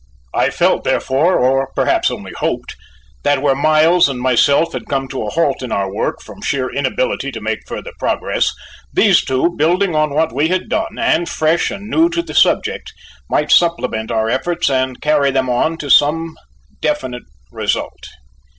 I felt, therefore, or perhaps only hoped, that where Miles and myself had come to a halt in our work from sheer inability to make further progress, these two, building on what we had done, and fresh and new to the subject, might supplement our efforts and carry them on to some definite result.